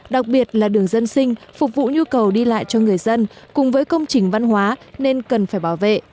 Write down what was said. đặc biệt là đường dân sinh phục vụ nhu cầu đi lại cho người dân cùng với công trình văn hóa nên cần phải bảo vệ